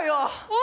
え